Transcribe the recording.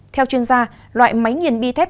theo chuyên gia loại máy nhiền bi thép